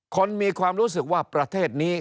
คนมีความรู้สึกว่าประเทศนี้